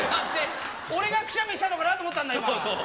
俺がくしゃみしたのかなと思ったんだ今。